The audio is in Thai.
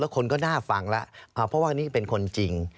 คนก็น่าฟังแล้วเพราะว่านี่เป็นคนจริง